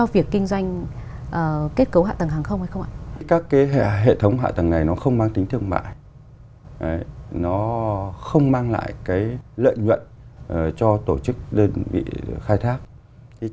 việc gắn hệ thống hạ tầng này với những hạ tầng khác